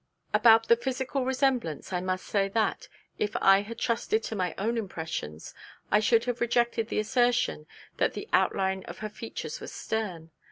About the physical resemblance, I may say that, if I had trusted to my own impressions, I should have rejected the assertion that the 'outline of her features was stern.'